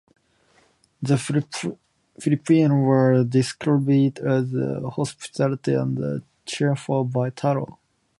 The Filipinos were described as hospitable and cheerful by Taro.